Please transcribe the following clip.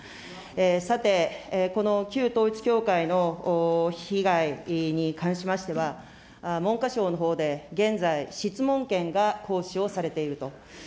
さて、この旧統一教会の被害に関しましては、文科省のほうで現在、質問権が行使をされていると。